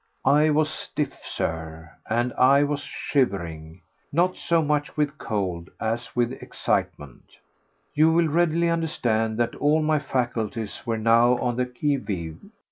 I was stiff, Sir, and I was shivering—not so much with cold as with excitement. You will readily understand that all my faculties were now on the qui vive.